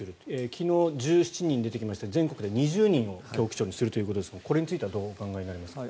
昨日１７人出てきましたが全国で２０人を教区長にするということですがこれについてどうお考えになりますか？